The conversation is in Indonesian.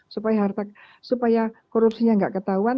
supaya korupsinya tidak ketahuan